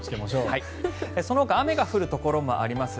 そのほか雨が降るところもあります。